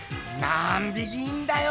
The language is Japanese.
なんびきいんだよ！